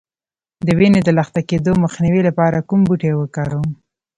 د وینې د لخته کیدو مخنیوي لپاره کوم بوټی وکاروم؟